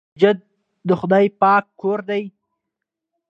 مسجد د خدای پاک کور دی.